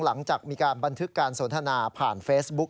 หลังจากมีการบันทึกการสนทนาผ่านเฟซบุ๊ก